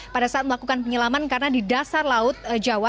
pada saat melakukan penyelaman karena di dasar laut jawa